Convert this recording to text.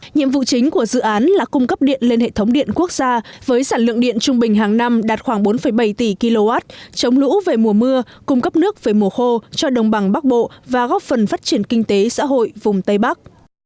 nhiệm vụ chính của dự án là cung cấp điện lên hệ thống điện quốc gia với sản lượng điện trung bình hàng năm đạt khoảng bốn bảy tỷ kw chống lũ về mùa mưa cung cấp nước về mùa khô cho đồng bằng bắc bộ và góp phần phát triển kinh tế xã hội vùng tây bắc